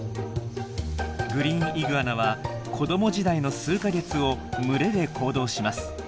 グリーンイグアナは子供時代の数か月を群れで行動します。